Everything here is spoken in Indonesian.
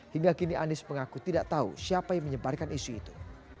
hingga kini anies mengaku tidak tahu siapa yang menyebarkan isu itu